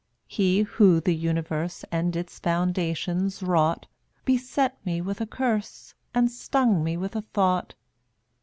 168 He who the Universe And its foundations wrought, Beset me with a curse And stung me with a thought.